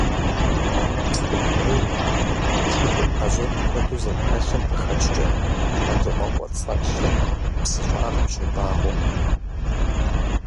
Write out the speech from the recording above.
Псы фӀейм, куэншыбым азот куэду зэрыхэлъым къыхэкӀкӀэ, хьэндыркъуакъуэцӀэнлъыр псы щӀагъым щобагъуэ.